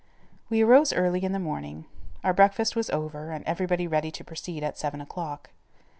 We arose early in the morning; our breakfast was over and everybody ready to proceed at seven o'clock.